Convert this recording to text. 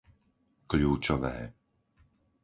Kľúčové